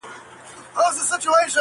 o خراب خراب دي کړم چپه دي کړمه,